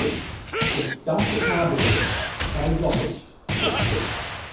Und das habe ich, bei Gott!